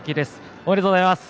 おめでとうございます。